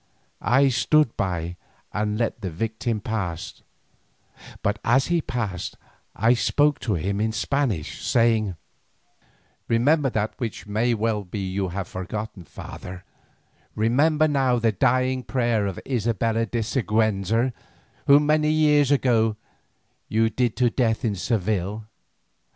I stood by and let the victim pass, but as he passed I spoke to him in Spanish, saying: "Remember that which it may well be you have forgotten, holy father, remember now the dying prayer of Isabella de Siguenza whom many years ago you did to death in Seville."